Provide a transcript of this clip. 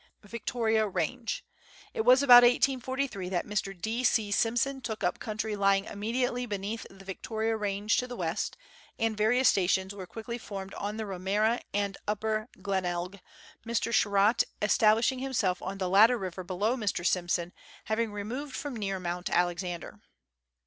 Victoria Range. It was about 1843 that Mr. D. C. Simson took up country lying immediately beneath the Victoria Range to the west, and various stations were quickly formed on the Wimmera and Upper Glenelg, Mr. Sherratt establishing himself on the latter river below Mr. Simson, having removed from near Mount Alexander.